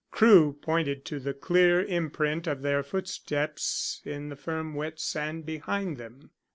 Crewe pointed to the clear imprint of their footsteps in the firm wet sand behind them.